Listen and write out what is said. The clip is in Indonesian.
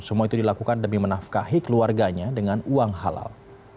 semua itu dilakukan demi menafkahi keluarganya dengan uang halal